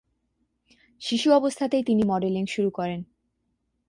শিশু অবস্থাতেই তিনি মডেলিং শুরু করেন।